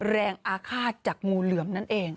อาฆาตจากงูเหลือมนั่นเอง